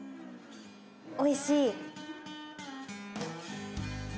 おいしい。